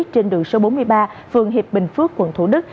trên đường số bốn mươi ba phường hiệp bình phước quận thủ đức